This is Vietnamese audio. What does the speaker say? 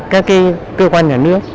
các cơ quan nhà nước